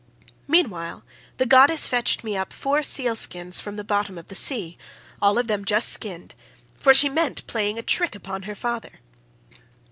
Meanwhile the goddess fetched me up four seal skins from the bottom of the sea, all of them just skinned, for she meant playing a trick upon her father.